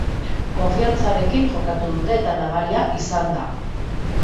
Konfiantzarekin jokatu dute eta nabaria izan da.